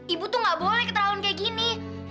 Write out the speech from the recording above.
ibu tuh gak boleh ketahuan kayak gini